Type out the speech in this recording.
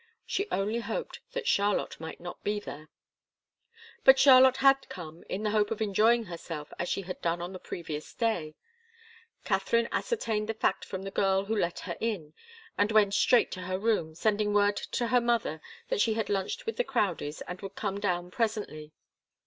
She only hoped that Charlotte might not be there. But Charlotte had come, in the hope of enjoying herself as she had done on the previous day. Katharine ascertained the fact from the girl who let her in, and went straight to her room, sending word to her mother that she had lunched with the Crowdies and would come down presently.